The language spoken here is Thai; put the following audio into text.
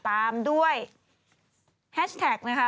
ตามด้วยแฮชแท็กนะคะ